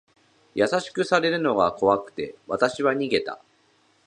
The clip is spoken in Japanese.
優しくされるのが怖くて、わたしは逃げた。